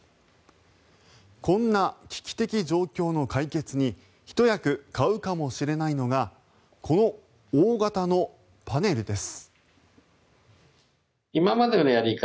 こんな危機的状況の解決にひと役買うかもしれないのがこの大型のパネルです。